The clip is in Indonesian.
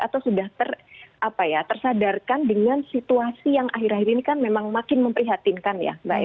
atau sudah tersadarkan dengan situasi yang akhir akhir ini kan memang makin memprihatinkan ya